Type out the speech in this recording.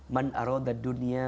man arodat dunia